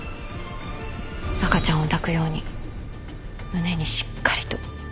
赤ちゃんを抱くように胸にしっかりと。